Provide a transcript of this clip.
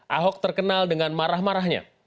ahok terkenal dengan marah marahnya